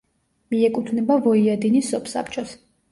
მიეკუთვნება ვოიადინის სოფსაბჭოს.